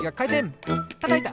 たたいた！